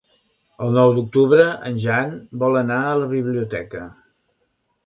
El nou d'octubre en Jan vol anar a la biblioteca.